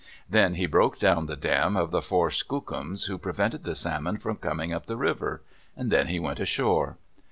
Then he broke down the dam of the four skookums who prevented the salmon from coming up the river. Then he went ashore.